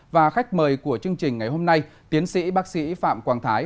và khách mời của chương trình ngày hôm nay tiến sĩ bác sĩ phạm quang thái